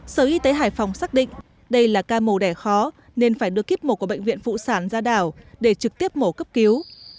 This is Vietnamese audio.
sở y tế hải phòng xác định đây là ca mổ đẻ khó nên phải đưa kiếp mổ của bệnh viện phụ sản ra đảo để trực tiếp mổ cấp cứu